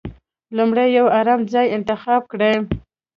لومړی يو ارام ځای انتخاب کړئ.